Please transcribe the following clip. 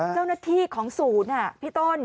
เจ้าหน้าที่ของศูนย์พี่ต้น